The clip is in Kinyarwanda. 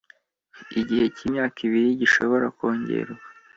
igihe cy imyaka ibiri gishobora kongerwa